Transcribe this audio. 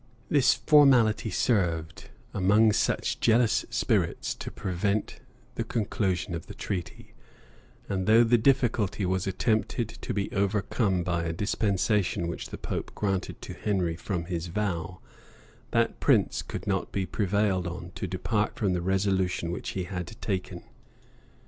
This formality served, among such jealous spirits, to prevent the conclusion of the treaty; and though the difficulty was attempted to be overcome by a dispensation which the pope granted to Henry from his vow, that prince could not be pre vailed on to depart from the resolution which he had taken.